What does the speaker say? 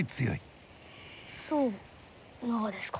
そうながですか。